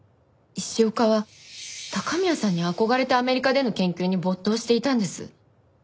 石岡は高宮さんに憧れてアメリカでの研究に没頭していたんです。